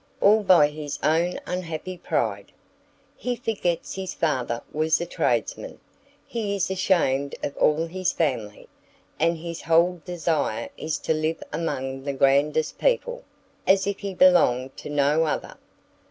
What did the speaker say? all by his own unhappy pride! He forgets his father was a tradesman, he is ashamed of all his family, and his whole desire is to live among the grandest people, as if he belonged to no other.